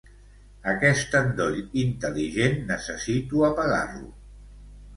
Aquest endoll intel·ligent necessito apagar-lo.